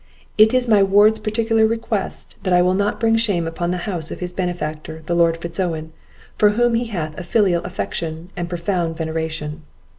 It is my ward's particular request, that I will not bring shame upon the house of his benefactor, the Lord Fitz Owen, for whom he hath a filial affection and profound veneration.